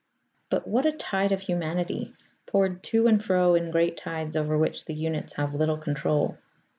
But what a tide of humanity, poured to and fro in great tides over which the units have little control.